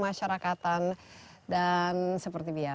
kepala kepala kepala